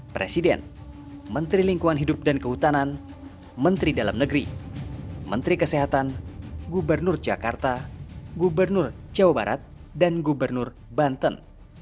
presiden menteri lingkungan hidup dan kehutanan menteri dalam negeri menteri kesehatan gubernur jakarta gubernur jawa barat dan gubernur banten